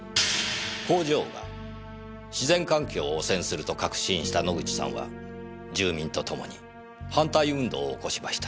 工場が自然環境を汚染すると確信した野口さんは住民とともに反対運動を起こしました。